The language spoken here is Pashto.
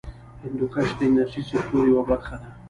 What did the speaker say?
هندوکش د انرژۍ سکتور یوه برخه ده.